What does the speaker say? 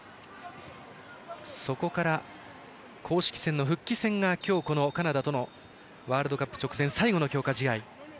そこから、公式戦の復帰戦が今日、このカナダとのワールドカップ直前最後の強化試合。